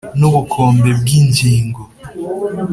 n’ubukombe bw’ingingo